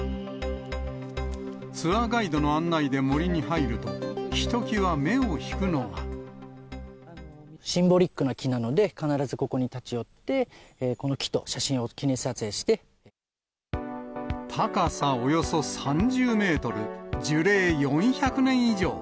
ツアーガイドの案内で森に入ると、シンボリックな木なので、必ずここに立ち寄って、高さおよそ３０メートル、樹齢４００年以上。